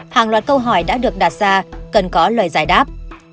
hàng loạt câu hỏi đã được đặt ra cần có lời giải đáp